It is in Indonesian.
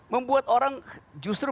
membuat orang justru